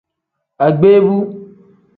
Agbeebu.